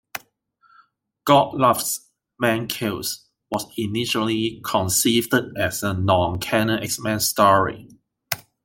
"God Loves, Man Kills" was initially conceived as a non-canon X-Men story.